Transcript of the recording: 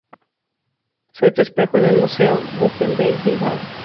Soy tu espejo" en el Museo Guggenheim Bilbao.